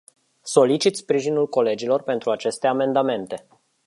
Solicit sprijinul colegilor pentru aceste amendamente.